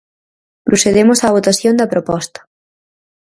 Procedemos á votación da proposta.